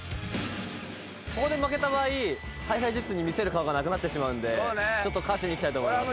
ここで負けた場合ＨｉＨｉＪｅｔｓに見せる顔がなくなってしまうんでちょっと勝ちにいきたいと思います。